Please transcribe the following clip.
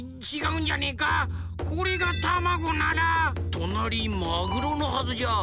となりマグロのはずじゃ。